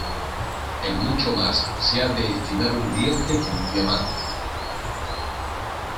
En mucho más se ha de estimar un diente que un diamante.